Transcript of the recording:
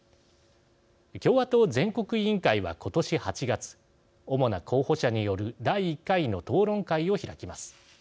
共和党全国委員会は、今年８月主な候補者による第１回の討論会を開きます。